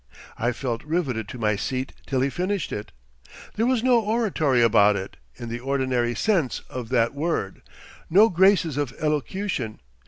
I felt riveted to my seat till he finished it. There was no oratory about it, in the ordinary sense of that word; no graces of elocution.